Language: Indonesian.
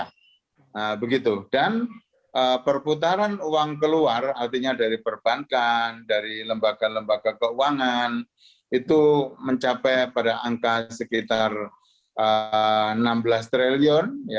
nah begitu dan perputaran uang keluar artinya dari perbankan dari lembaga lembaga keuangan itu mencapai pada angka sekitar rp enam belas triliun